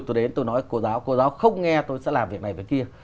tôi đến tôi nói cô giáo cô giáo không nghe tôi sẽ làm việc này với kia